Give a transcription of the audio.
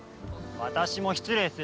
私も失礼する。